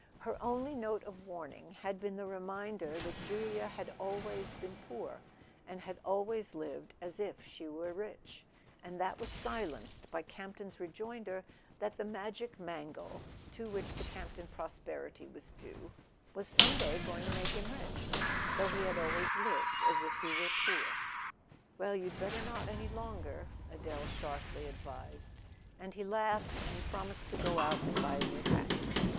Her only note of warning had been the reminder that Julia had always been poor, and had always lived as if she were rich; and that was silenced by Campton's rejoinder that the Magic Mangle, to which the Camp ton prosperity was due, was some day going to make him rich, though he had always lived as if he were poor. "Well—you'd better not, any longer," Adele sharply advised; and he laughed, and promised to go out and buy a new hat.